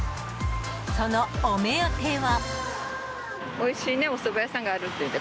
そのお目当ては。